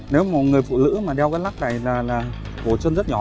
nếu một người phụ nữ mà đeo cái lắc này là cổ chân rất nhỏ